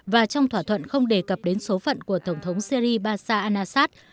và trong thỏa thuận không đề cập đến số phận của tổng thống syri bashar al assad